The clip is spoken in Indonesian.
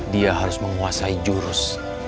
dia harus menguasai jurus